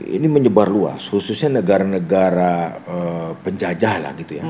ini menyebar luas khususnya negara negara penjajah lah gitu ya